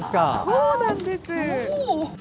そうなんです。